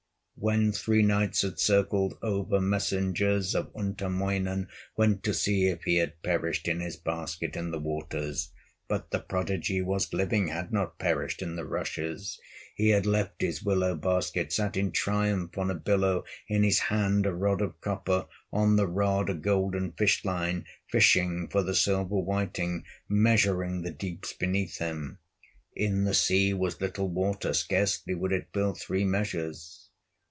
When three nights had circled over, Messengers of Untamoinen Went to see if he had perished In his basket in the waters; But the prodigy was living, Had not perished in the rushes; He had left his willow basket, Sat in triumph on a billow, In his hand a rod of copper, On the rod a golden fish line, Fishing for the silver whiting, Measuring the deeps beneath him; In the sea was little water, Scarcely would it fill three measures.